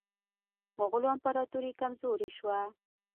مغولو امپراطوري کمزورې شوه.